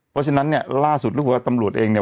เพราะฉะนั้นเนี่ยล่าสุดรู้สึกว่าตำรวจเองเนี่ย